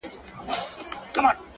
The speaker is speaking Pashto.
o ستا هم د پزي په افسر كي جـادو ـ